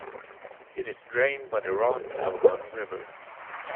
It is drained by the Randselva river.